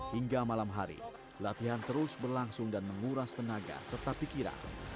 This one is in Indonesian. hingga malam hari latihan terus berlangsung dan menguras tenaga serta pikiran